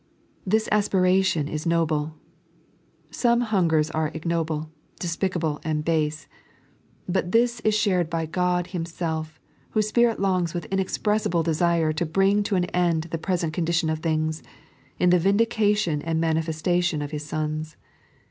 This aspiration is noble. Some hungers are ignoble, de^icable, and base. But this is shared in by God Himself, whose Spirit longs with inexpressible desire to bring to an end the present condition of things, in the vindication and manifestation of His sons.